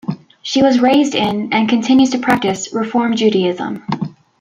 She was raised in, and continues to practice, Reform Judaism.